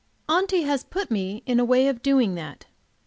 AUNTY has put me in the way of doing that.